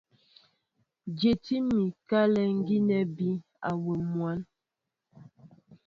Tyɛntí mi kálɛ gínɛ́ mbí awɛm mwǎn.